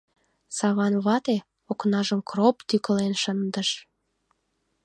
— Саван вате окнажым кроп тӱкылен шындыш.